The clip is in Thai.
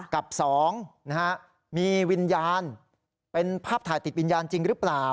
กับ๒มีวิญญาณเป็นภาพถ่ายติดวิญญาณจริงหรือเปล่า